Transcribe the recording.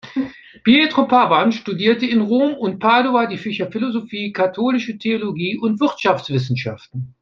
Pietro Pavan studierte in Rom und Padua die Fächer Philosophie, Katholische Theologie und Wirtschaftswissenschaften.